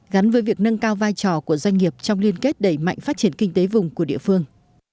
gắn với việc nâng cao vai trò của doanh nghiệp trong liên kết đẩy mạnh phát triển kinh tế vùng của địa phương